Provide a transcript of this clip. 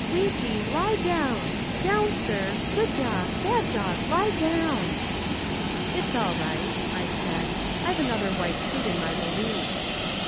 Weejee, lie down, down, sir, good dog, bad dog, lie down!" "It's all right," I said. "I've another white suit in my valise."